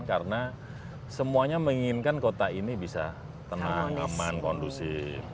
karena semuanya menginginkan kota ini bisa tenang aman kondusif